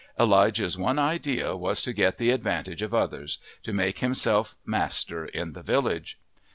Elijah's one idea was to get the advantage of others to make himself master in the village.